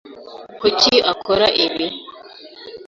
Kuki akora ibi?